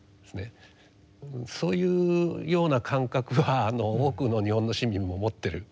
そういうような感覚は多くの日本の市民も持ってると思うんですね。